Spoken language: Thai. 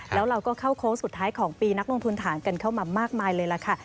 แล้วเราก็เข้าโค้งสุดท้ายของปีนักลงทุนฐานกันเข้ามามากมายเลยล่ะค่ะ